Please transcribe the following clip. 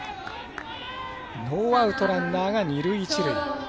ノーアウトランナーが二塁、一塁。